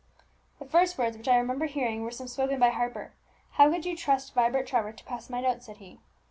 "The first words which I remember hearing were some spoken by Harper 'How could you trust Vibert Trevor to pass my notes?' said he.